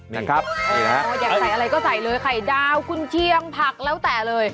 ยังครับอยากใส่อะไรก็ใส่เลยไข่ดาวกุญเชียงผักแล้วแต่เลย